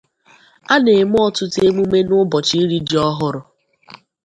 A na-eme ọtụtụ emume n'ụbọchi iri ji ọhụrụ.